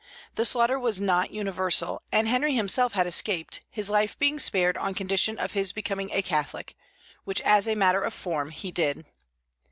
The slaughter was not universal, and Henry himself had escaped, his life being spared on condition of his becoming a Catholic, which as a matter of form he did.